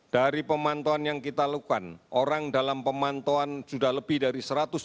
dari pemantauan yang kita lakukan orang dalam pemantauan sudah lebih dari satu ratus dua puluh